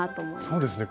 そうですね。